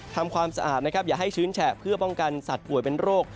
ทำความสะอาดนะครับอย่าให้ชื้นแฉะเพื่อป้องกันสัตว์ป่วยเป็นโรค